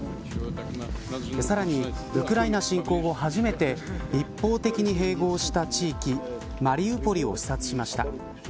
さらに、ウクライナ侵攻後初めて一方的に併合した地域マリウポリを視察しました。